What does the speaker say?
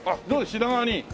品川に。